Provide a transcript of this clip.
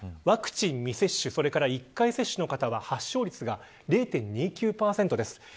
ワクチン未接種と１回接種の方は発症率が０．２９％です。